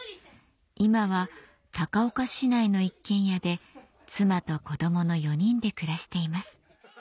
今は高岡市内の一軒家で妻と子どもの４人で暮らしています